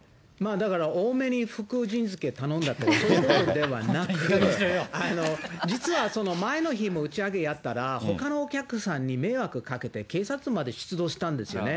だから多めに福神漬け頼んだということではなく、実はその前の日も打ち上げやったらほかのお客さんに迷惑かけて、警察まで出動したんですよね。